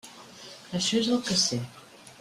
Això és el que sé.